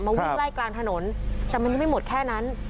วิ่งไล่กลางถนนแต่มันยังไม่หมดแค่นั้น